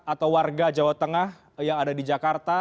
atau warga jawa tengah yang ada di jakarta